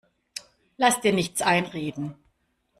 Lass dir nichts einreden!